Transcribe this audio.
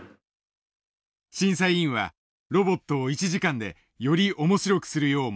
審査委員はロボットを１時間でより面白くするよう求めた。